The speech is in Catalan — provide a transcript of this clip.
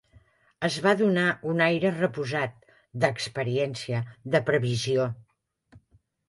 Es va donar un aire reposat, de experiència, de previsió